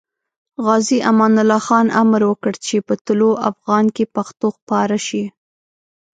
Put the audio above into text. غازي امان الله خان امر وکړ چې په طلوع افغان کې پښتو خپاره شي.